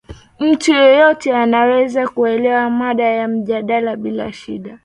mtu yeyote anaweza kuelewa mada ya mjadala bila shida